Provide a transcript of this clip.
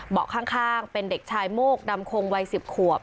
ข้างเป็นเด็กชายโมกดำคงวัย๑๐ขวบ